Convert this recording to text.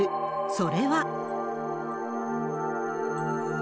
それは。